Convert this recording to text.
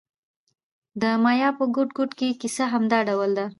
د مایا په ګوټ ګوټ کې کیسه همدا ډول ده